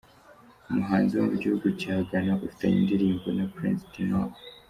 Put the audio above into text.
Umuhanzi wo mu gihugu cya Ghana ufitanye indirimbo na Princes du Nord.